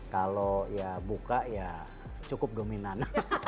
kalau ya buka ya cukup dominan